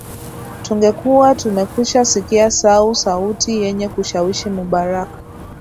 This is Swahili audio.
tungekuwa tumekwisha sikia sau sauti yenye kushawishi mubarak